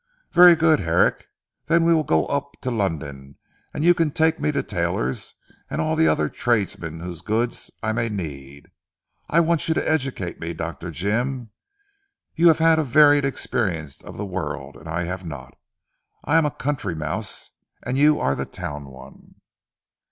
"Very good Herrick. Then we will go up to London, and you can take me to tailors and all the other tradesmen whose goods I may need. I want you to educate me Dr. Jim. You have had a varied experience of the world and I have not. I am a country mouse, and you the Town one."